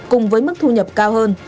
cùng với mức thu nhập cao hơn